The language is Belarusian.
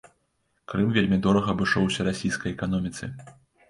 Крым вельмі дорага абышоўся расійскай эканоміцы.